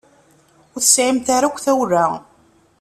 Ur tesɛimt ara akk tawla.